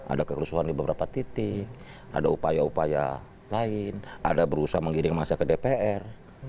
ada kerusuhan di beberapa titik ada upaya upaya lain ada berusaha menggiring masa ke dpr